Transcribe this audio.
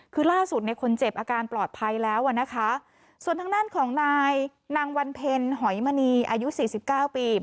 คือล่าสุดในคนเจ็บอาการปลอดภัยแล้วส่วนทั้งนั้นของนายนางวันเพ็ญหอยมณีอายุ๔๙ปี